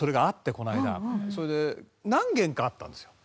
それで何軒かあったんですよ